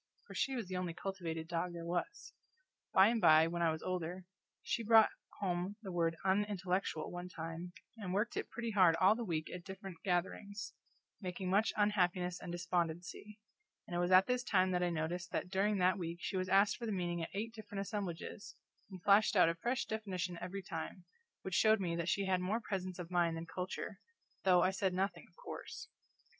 for she was the only cultivated dog there was. By and by, when I was older, she brought home the word Unintellectual, one time, and worked it pretty hard all the week at different gatherings, making much unhappiness and despondency; and it was at this time that I noticed that during that week she was asked for the meaning at eight different assemblages, and flashed out a fresh definition every time, which showed me that she had more presence of mind than culture, though I said nothing, of course.